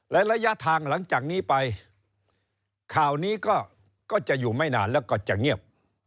และระยะทางหลังจากนี้ไปข่าวนี้ก็จะอยู่ไม่นานแล้วก็จะเงียบ